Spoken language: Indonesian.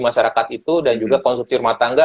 masyarakat itu dan juga konsumsi rumah tangga